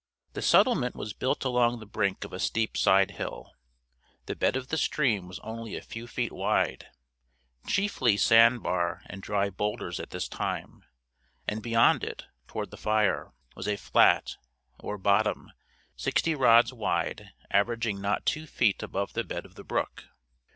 The settlement was built along the brink of a steep side hill. The bed of the stream was only a few feet wide, chiefly sand bar and dry boulders at this time, and beyond it, toward the fire, was a flat, or bottom, sixty rods wide, averaging not two feet above the bed of the brook.